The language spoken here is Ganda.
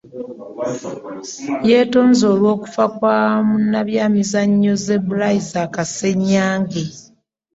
Yeetonze olw'okufa kwa munnabyamizannyo Zebra Isaac Ssenyange